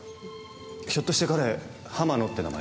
ひょっとして彼浜野って名前？